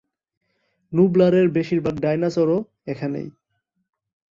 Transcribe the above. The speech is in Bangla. নুবলারের বেশিরভাগ ডাইনোসরও এখানেই।